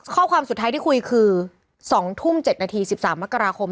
ข้อความสุดท้ายที่คุยคือ๒ทุ่ม๗นาที๑๓มกราคม